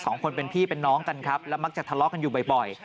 สองคนเป็นพี่เป็นน้องกันครับแล้วมักจะทะเลาะกันอยู่บ่อย